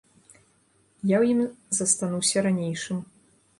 Я ў ім застануся ранейшым.